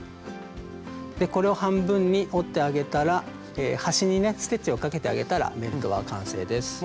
これを半分に折ってあげたら端にねステッチをかけてあげたらベルトは完成です。